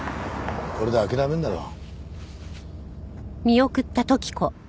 これで諦めるだろう。